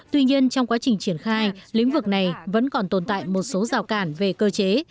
tuy nhiên trong quá trình triển khai lĩnh vực này vẫn còn tồn tại một số rào cản về cơ chế